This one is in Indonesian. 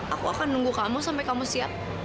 aku akan nunggu kamu sampai kamu siap